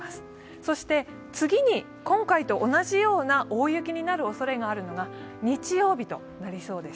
そして次に今回と同じような大雪になるおそれがあるのが日曜日となりそうです。